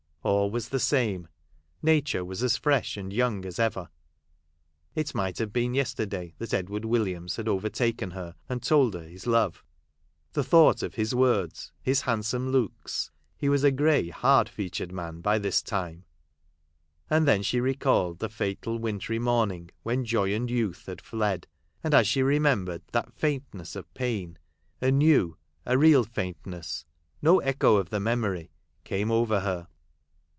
All was the same ; Nature was as fresh and young as ever. It might have been yesterday that Edward Williams had overtaken her, and told her his love — the thought of his words — his handsome looks — (he was a grey hard featured man by this time), and then she recalled the fatal wintry morning when joy and youth had fled ; and as she remembered that faintness of pain, a new, a real faintness — no echo of the memory — came over her.